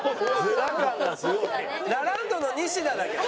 ラランドのニシダだけど。